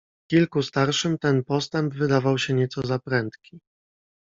"Kilku starszym ten postęp wydawał się nieco za prędki."